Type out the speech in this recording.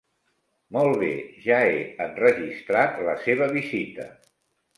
Molt bé, ja he enregistrat la seva visita.